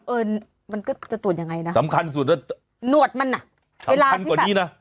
เอิญมันก็จะตรวจยังไงนะสำคัญสุดนะนวดมันน่ะเวลาที่แบบสำคัญกว่านี้น่ะ